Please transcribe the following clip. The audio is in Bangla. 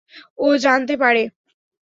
ও জানতে পারে।